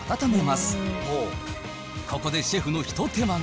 ここでシェフのひと手間が。